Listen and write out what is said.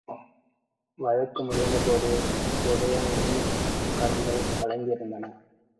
வழக்கு முடிந்தபோது உதயணனின் கண்கள் கலங்கியிருந்தன.